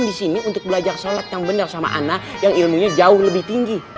disini untuk belajar sholat yang benar sama anna yang ilmunya jauh lebih tinggi